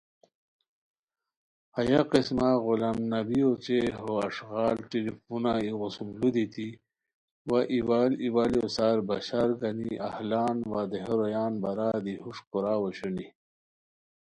ہیہ قسمہ غلام نبیو اوچے ہو اݱغال ٹیلی فونہ ایغوسُم لُودیتی وا ایوال ایوالیو سار بشارگنی اہلان وا دیہو رویان بارا دی ہوݰ کوراؤ اوشونی